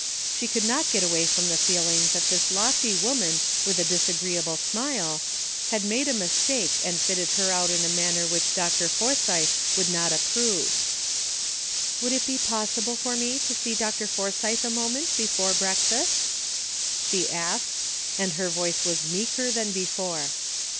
She could not get away from the feeling that this lofty woman with a disa greeable smile, had made a mistake and fitted BORROWED TROUBLE. 231 her out in a manner which Dr. Forsythe would not approve. '' Would it be possible for me to see Dr. Forsythe a moment before breakfast ?" she asked, and her voice was meeker than before.